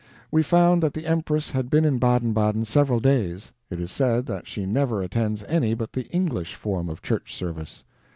We found that the Empress had been in Baden Baden several days. It is said that she never attends any but the English form of church service.